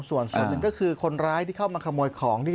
ส่วนส่วนหนึ่งก็คือคนร้ายที่เข้ามาขโมยของนี่